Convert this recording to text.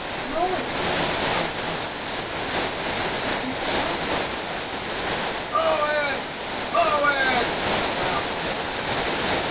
"Throw it to them, Kurram Khan!" she purred. "It is the custom!" "Throw it! Throw it!" the crowd thundered.